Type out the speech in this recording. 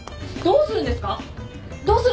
どうするんですか？